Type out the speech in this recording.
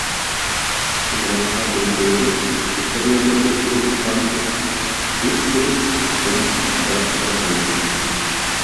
У дваццатым годзе, калі адыходзілі акупанты, тут быў цэнтр гарачага бою.